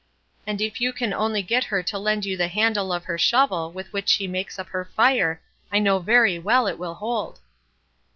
"And if you can only get her to lend you the handle of her shovel with which she makes up her fire, I know very well it will hold."